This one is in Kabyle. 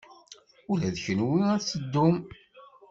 Ula d kenwi ad teddum?